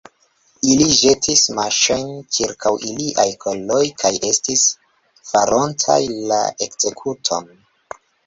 Ili ĵetis maŝojn ĉirkaŭ iliaj koloj kaj estis farontaj la ekzekuton.